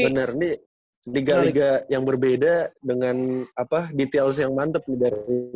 bener ini tiga tiga yang berbeda dengan details yang mantep dari